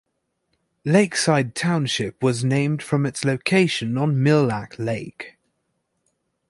Lakeside Township was named from its location on Mille Lacs Lake.